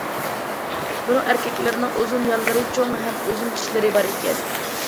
بۇنىڭ ئەركەكلىرىنىڭ ئۇزۇن ياللىرى، چوڭ ھەم ئۇزۇن چىشلىرى بار ئىكەن.